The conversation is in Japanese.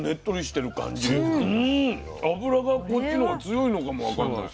脂がこっちの方が強いのかもわかんない。